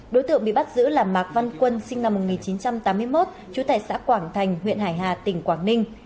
đối tượng bị bắt giữ là mạc văn quân sinh năm một nghìn chín trăm tám mươi một trú tại xã quảng thành huyện hải hà tỉnh quảng ninh